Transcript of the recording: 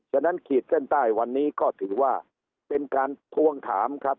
ฉะนั้นขีดเส้นใต้วันนี้ก็ถือว่าเป็นการทวงถามครับ